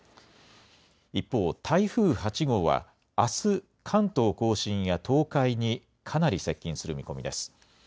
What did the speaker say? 一方、台風８号はあす関東甲信や東海にかなり接近する見込みです。